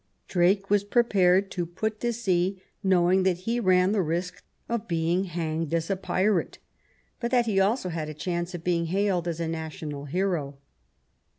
Drake was prepared to put to sea, knowing that he ran the risk of being hanged as a pirate, but that he also had a chance of being hailed as a national hero.